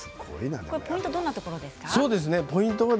ポイントはどんなところですか。